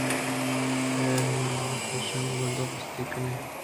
حیر من وت ایشانی بندوبست ءَ کنیں